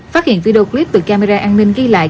phát hiện video clip từ camera an ninh ghi lại